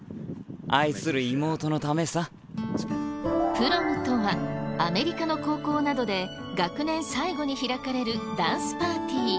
プロムとはアメリカの高校などで学年最後に開かれるダンスパーティー。